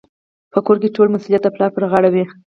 په کور کي ټول مسوليت د پلار پر غاړه وي.